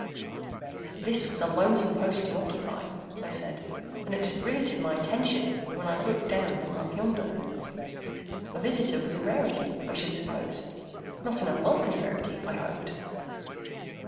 This was a lonesome post to occupy (I said), and it had riveted my attention when I looked down from up yonder. A visitor was a rarity, I should suppose; not an unwelcome rarity, I hoped?